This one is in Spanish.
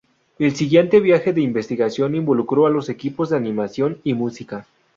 El siguiente viaje de investigación involucró a los equipos de animación y música.